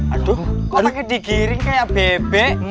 aduh kok pake digiring kayak bebek